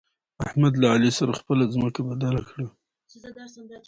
احمد له علي سره خپله ځمکه بدله کړه.